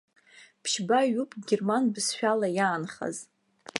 Ԥшьба ҩуп герман бызшәала, иаанхаз.